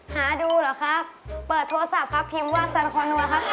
หาดูเหรอครับเปิดโทรศัพท์ครับพิมพ์ว่าสันคอนัวครับ